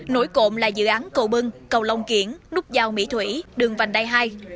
nói cộm là dự án cầu bưng cầu long kiển nút giao mỹ thủy đường vành đai hai